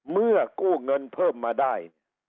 เมื่อกู้เงินเพิ่มมาได้